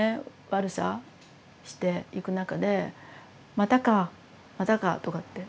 悪さしていく中でまたかまたかとかって。